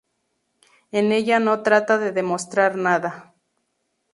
En ella no trata de demostrar nada.